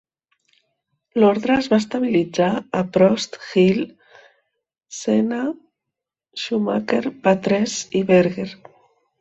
L'ordre es va estabilitzar a: Prost, Hill, Senna, Schumacher, Patrese i Berger.